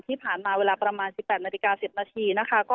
ที่ผ่านมาเวลาประมาณ๑๘นาฬิกา๑๐นาทีนะคะ